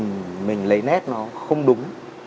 khi mình lấy nét nó không đúng